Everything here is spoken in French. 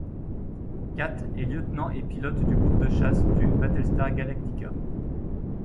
Kat est Lieutenant et pilote du groupe de chasse du Battlestar Galactica.